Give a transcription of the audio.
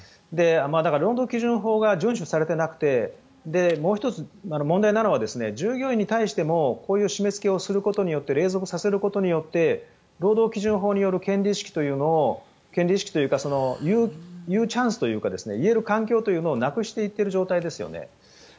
だから、労働基準法がほとんど順守されていなくてもう１つ、問題なのは従業員に対してもこういう締めつけをすることで隷属させることで労働基準法による権利意識というか言うチャンスというか言う環境をなくしている状況ですよね。